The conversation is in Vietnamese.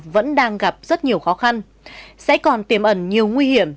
vẫn đang gặp rất nhiều khó khăn sẽ còn tiềm ẩn nhiều nguy hiểm